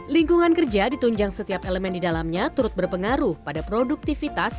lingkungan kerja ditunjang setiap elemen di dalamnya turut berpengaruh pada produktivitas